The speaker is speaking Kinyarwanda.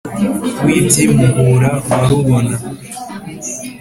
w’iby’ i muhura wa rubona